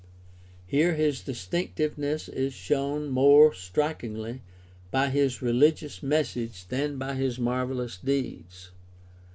Here his distinctiveness is shown more strikingly by his religious message than by his marvelous deeds.